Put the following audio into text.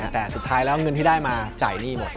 แต่สุดท้ายแล้วเงินที่ได้มาจ่ายหนี้หมด